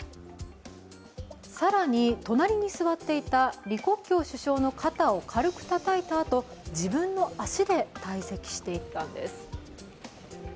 更に隣に座っていた李克強首相の肩をたたいたあと、自分の足で退席していったんです。